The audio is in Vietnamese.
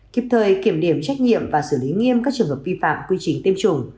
kịp thời kiểm điểm trách nhiệm và xử lý nghiêm các trường hợp vi phạm quy trình tiêm chủng